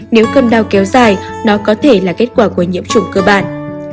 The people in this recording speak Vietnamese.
nếu cân đau kéo dài nó có thể là kết quả của nhiễm chủng cơ bản